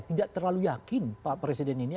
tidak terlalu yakin pak presiden ini